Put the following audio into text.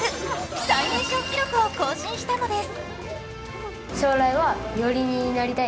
最年少記録を更新したのです。